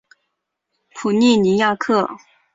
普利尼亚克。